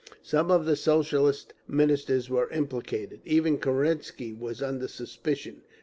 Some of the Socialist Ministers were implicated; even Kerensky was under suspicion.